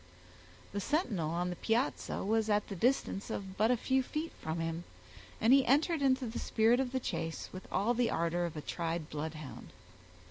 The sentinel on the piazza was at the distance of but a few feet from him, and he entered into the spirit of the chase with all the ardor of a tried bloodhound.